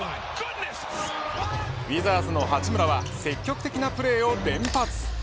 ウィザーズの八村は積極的なプレーを連発。